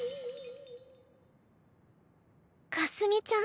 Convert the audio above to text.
かすみちゃん？